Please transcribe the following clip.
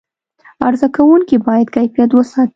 عرضه کوونکي باید کیفیت وساتي.